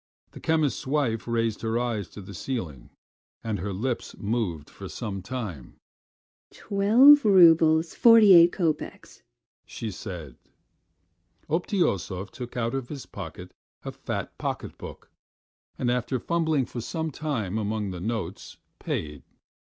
The chemist's wife raised her eyes to the ceiling and her lips moved for some time. "Twelve roubles forty eight kopecks," she said. Obtyosov took out of his pocket a fat pocket book, and after fumbling for some time among the notes, paid.